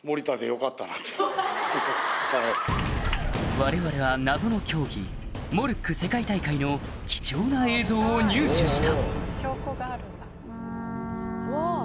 我々は謎の競技モルック世界大会の貴重な映像を入手した